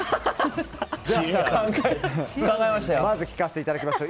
設楽さんからまず聞かせていただきましょう。